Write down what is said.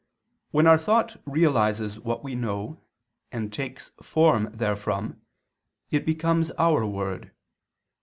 When our thought realizes what we know and takes form therefrom, it becomes our word.